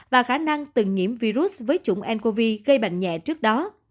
và khả năng từng nhiễm virus với chủng ncov gây bệnh nhẹ trước đó